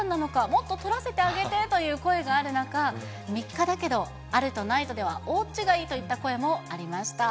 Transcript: もっと取らせてあげてという声がある中、３日だけど、あるとないとでは大違いといった声もありました。